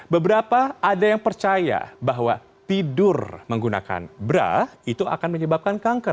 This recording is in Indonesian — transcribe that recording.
beberapa ada yang percaya bahwa tidur menggunakan bra itu akan menyebabkan kanker